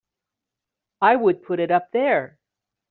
I would put it up there!